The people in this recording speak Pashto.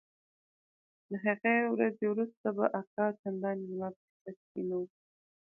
له هغې ورځې وروسته به اکا چندانې زما په کيسه کښې نه و.